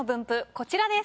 こちらです。